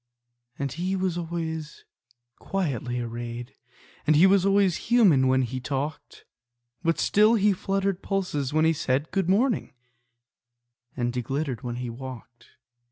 And he was always quietly arrayed, And he was always human when he talked; But still he fluttered pulses when he said, "Good morning," and he glittered when he walked.